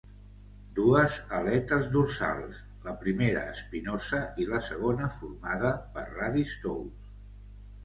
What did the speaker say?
Dues aletes dorsals: la primera espinosa i la segona formada per radis tous.